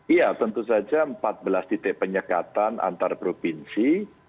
iya tentu saja empat belas titik penyekatan antar provinsi